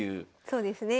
そうですね。